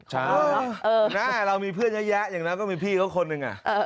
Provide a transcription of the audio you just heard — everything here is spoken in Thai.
ใช่หน้าเรามีเพื่อนเยอะแยะอย่างนั้นก็มีพี่เขาคนหนึ่ง